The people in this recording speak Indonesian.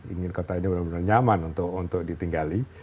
ingin kota ini benar benar nyaman untuk ditinggali